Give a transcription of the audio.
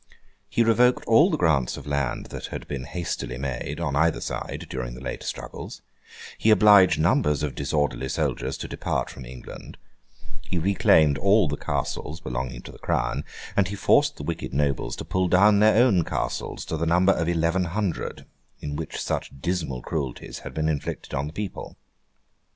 He revoked all the grants of land that had been hastily made, on either side, during the late struggles; he obliged numbers of disorderly soldiers to depart from England; he reclaimed all the castles belonging to the Crown; and he forced the wicked nobles to pull down their own castles, to the number of eleven hundred, in which such dismal cruelties had been inflicted on the people.